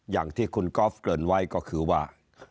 อย่างที่คุณก๊อฟเกินไว้ก็คือว่า